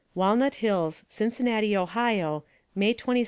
Walnut Hills, Cincinnati, Ohio, May 22d, 1845.